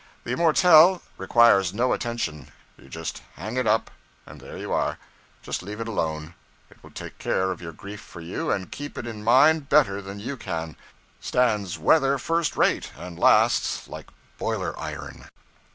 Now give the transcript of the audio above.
The immortelle requires no attention: you just hang it up, and there you are; just leave it alone, it will take care of your grief for you, and keep it in mind better than you can; stands weather first rate, and lasts like boiler iron.